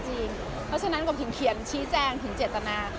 เพราะฉะนั้นกบถึงเขียนชี้แจงถึงเจตนาค่ะ